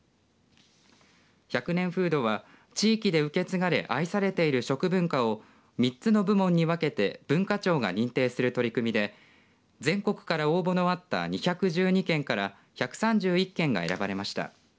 １００年フードは地域で受け継がれ愛されている食文化を３つの部門に分けて文化庁が認定する取り組みで全国から応募のあった２１２件から１３１件が選ばれました。